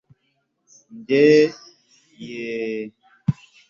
njye yeeeh